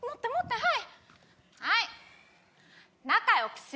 はい。